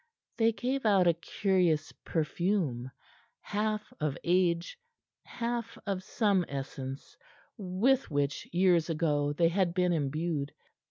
They gave out a curious perfume, half of age, half of some essence with which years ago they had been imbued.